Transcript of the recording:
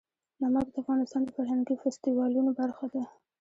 نمک د افغانستان د فرهنګي فستیوالونو برخه ده.